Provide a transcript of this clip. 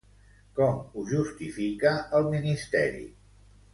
Com ho justifica el Ministeri?